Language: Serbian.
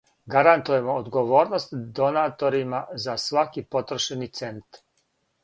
Гарантујемо одговорност донаторима за сваки потрошени цент.